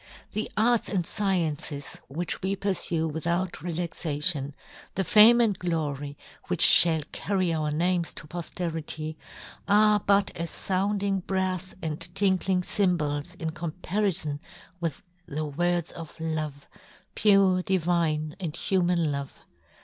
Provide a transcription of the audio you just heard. " The 'arts and fciences which we " purfue without relaxation, the " fame and glory which fhall carry " our names to poflerity, are but as " founding brafs and tinkling cym " bals in comparifon with the words of love, pure, divine, and human love.